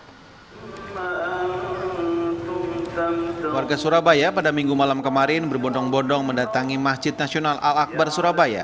keluarga surabaya pada minggu malam kemarin berbondong bondong mendatangi masjid nasional al akbar surabaya